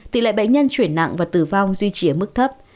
tỷ lệ bệnh nhân chuyển nặng và tử vong duy trì ở mức thấp